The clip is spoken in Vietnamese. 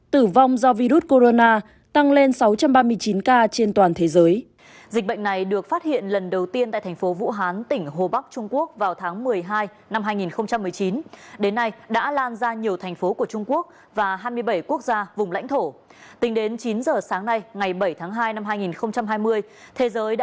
tử vong do virus corona tăng lên sáu trăm ba mươi chín ca trên toàn thế giới